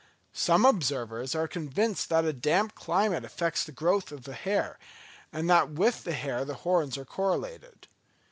Some observers are convinced that a damp climate affects the growth of the hair, and that with the hair the horns are correlated.